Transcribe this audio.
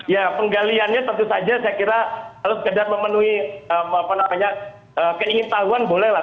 ya penggaliannya tentu saja saya kira harus sekedar memenuhi keingin tahuan bolehlah